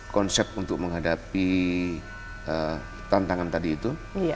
konsep untuk menghadapi tantangan tadi itu